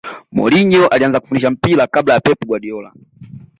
mourinho alianza kufundisha mpira kabla ya pep guardiola